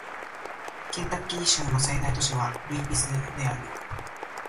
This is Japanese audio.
ケンタッキー州の最大都市はルイビルである